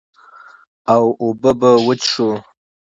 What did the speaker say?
او اوبۀ به وڅښو ـ